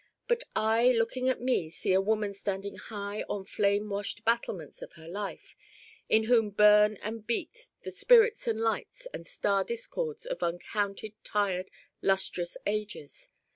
But I looking at Me see a woman standing high on flame washed battlements of her life in whom burn and beat the spirits and lights and star discords of uncounted tired lustrous ages.